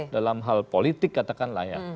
dalam hal politik katakanlah ya